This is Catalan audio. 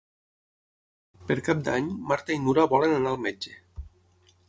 Per Cap d'Any na Marta i na Nura volen anar al metge.